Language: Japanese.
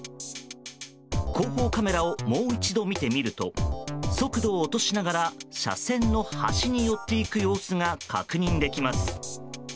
後方カメラをもう一度見てみると速度を落としながら車線の端に寄っていく様子が確認できます。